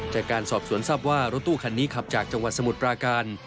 จากการสอบสวนทรัพย์ว่ารถตู้คันนี้ขับจากจังหวัดสมุทรปราการ